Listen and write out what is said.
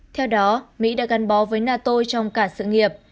theo đó mỹ đã gắn bó với nato trong cả sự nghiệp